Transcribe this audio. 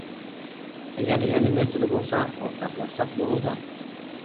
ئەگەر يەنە مەسىلە بولسا ئورتاقلاشساق بولىدۇ.